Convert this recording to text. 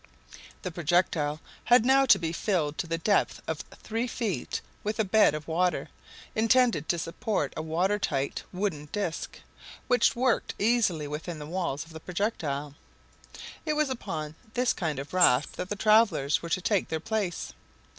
The projectile had now to be filled to the depth of three feet with a bed of water, intended to support a water tight wooden disc, which worked easily within the walls of the projectile. It was upon this kind of raft that the travelers were to take their place.